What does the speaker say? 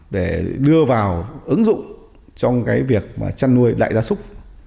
để đưa vào ứng dụng trong cái việc mà chăn nuôi đại gia súc